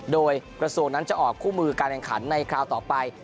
โดยกระทรวงนั้นจะออกคู่มือการแข่งขันในคราวต่อไป